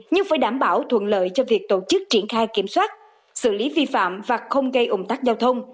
nhưng phải đảm bảo thuận lợi cho việc tổ chức triển khai kiểm soát xử lý vi phạm và không gây ủng tắc giao thông